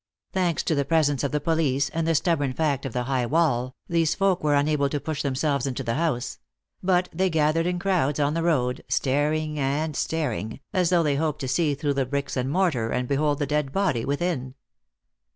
Thanks to the presence of the police, and the stubborn fact of the high wall, these folk were unable to push themselves into the house; but they gathered in crowds on the road, staring and staring, as though they hoped to see through the bricks and mortar and behold the dead body within.